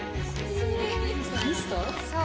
そう。